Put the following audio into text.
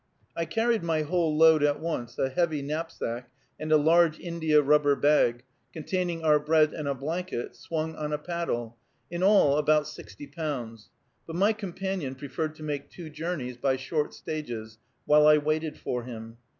I carried my whole load at once, a heavy knapsack, and a large india rubber bag, containing our bread and a blanket, swung on a paddle; in all, about sixty pounds; but my companion preferred to make two journeys, by short stages, while I waited for him.